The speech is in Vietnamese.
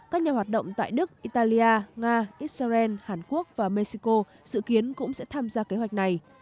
các nhà hoạt động tại đức italia nga israel hàn quốc và mexico dự kiến cũng sẽ tham gia kế hoạch này